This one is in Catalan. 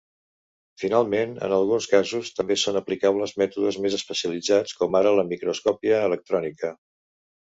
Finalment, en alguns casos també són aplicables mètodes més especialitzats com ara la microscopia electrònica.